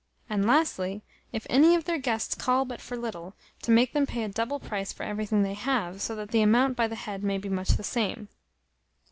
And lastly, If any of their guests call but for little, to make them pay a double price for everything they have; so that the amount by the head may be much the same.